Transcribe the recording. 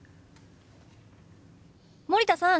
森田さん